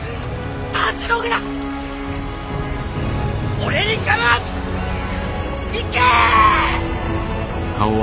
俺に構わず行け！